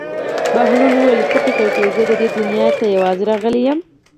بهلول وویل: څه فکر کوې زه دې دنیا ته یوازې راغلی یم.